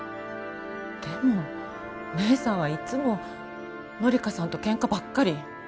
でも姉さんはいつも紀香さんと喧嘩ばっかり。